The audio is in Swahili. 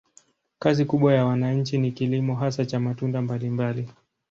Kazi kubwa ya wananchi ni kilimo, hasa cha matunda mbalimbali.